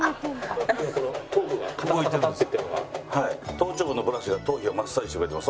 頭頂部のブラシが頭皮をマッサージしてくれてます。